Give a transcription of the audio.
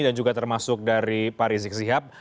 dan juga termasuk dari pak rizik zihab